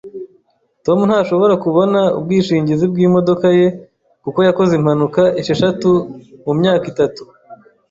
Tom ntashobora kubona ubwishingizi bwimodoka ye kuko yakoze impanuka esheshatu mumyaka itatu,